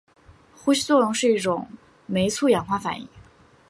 呼吸作用是一种酶促氧化反应。